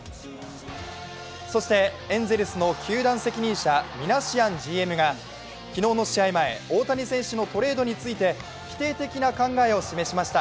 そしてエンゼルスの球団責任者ミナシアンＧＭが昨日の試合前、大谷選手のトレードについて否定的な考えを示しました。